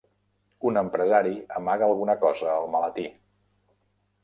Un empresari amaga alguna cosa al maletí.